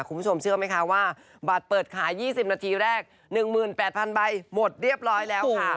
คุณผู้ชมเชื่อไหมคะว่าบัตรเปิดขาย๒๐นาทีแรก๑๘๐๐๐ใบหมดเรียบร้อยแล้วค่ะ